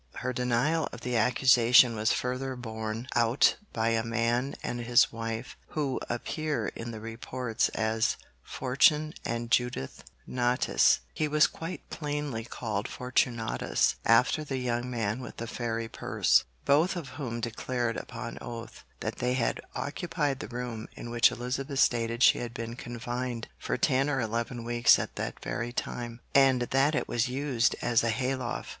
Her denial of the accusation was further borne out by a man and his wife, who appear in the reports as 'Fortune and Judith Natus' (he was quite plainly called 'Fortunatus' after the young man with the fairy purse), both of whom declared upon oath that they had occupied the room in which Elizabeth stated she had been confined, for ten or eleven weeks at that very time, and that it was used as a hayloft.